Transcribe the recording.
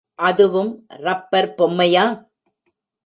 அதுவும் ரப்பர் பொம்மையா?